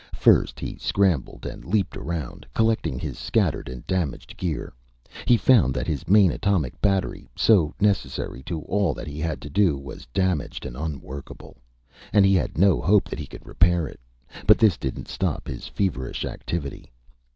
First he scrambled and leaped around, collecting his scattered and damaged gear. He found that his main atomic battery so necessary to all that he had to do was damaged and unworkable. And he had no hope that he could repair it. But this didn't stop his feverish activity.